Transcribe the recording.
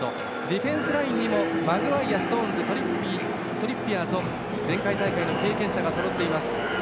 ディフェンスラインにもマグワイア、ストーンズトリッピアーと前回大会の経験者がそろいます。